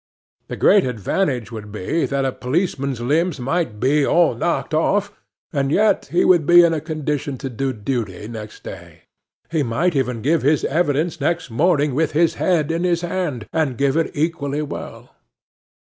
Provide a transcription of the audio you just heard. The great advantage would be, that a policeman's limbs might be all knocked off, and yet he would be in a condition to do duty next day. He might even give his evidence next morning with his head in his hand, and give it equally well.